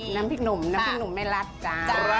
น้ำพริกหนุ่มน้ำพริกหนุ่มไม่รัดจ้า